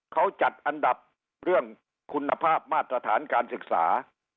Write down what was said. เขาจัดอันดับเรื่องคุณภาพมาตรฐานการศึกษา